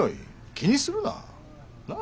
気にするな。なあ？